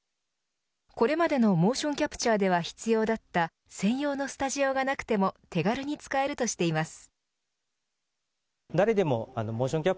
これまでのモーションキャプチャーでは必要だった専用のスタジオがなくても手軽に使えるとしています。